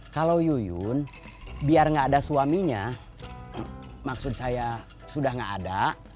kalau yuyun biar nggak ada suaminya maksud saya sudah nggak ada